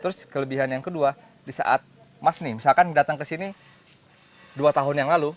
terus kelebihan yang kedua di saat mas nih misalkan datang ke sini dua tahun yang lalu